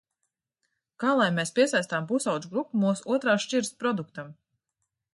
Kā lai mēs piesaistām pusaudžu grupu mūsu otrās šķiras produktam?